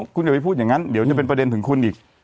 คุณอย่าไปพูดอย่างนั้นเดี๋ยวจะเป็นประเด็นถึงคุณอีก